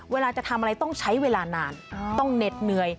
เวลาจะทำอะไรต้องใช้เวลานานต้องเหน็ดเหนื่อย